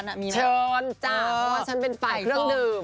เชิญจ้ะเพราะว่าฉันเป็นฝ่ายเครื่องดื่ม